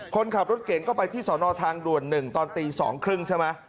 คนขับรถเก่งก็ไปที่สอนอทางด่วนหนึ่งตอนตีสองครึ่งใช่ไหม